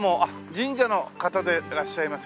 神社の方でいらっしゃいますか？